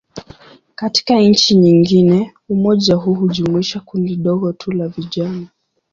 Katika nchi nyingine, umoja huu hujumuisha kundi dogo tu la vijana.